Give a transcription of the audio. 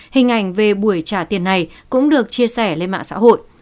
hình ảnh về buổi trả tiền này cũng được chia sẻ lên mạng xã hội